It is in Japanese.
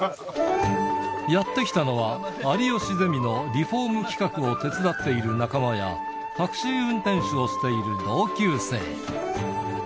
やって来たのは、有吉ゼミのリホーム企画を手伝っている仲間や、タクシー運転手をしている同級生。